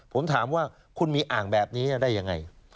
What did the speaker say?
ผมถามว่าคุณมีอ่างแบบนี้ได้ยังไง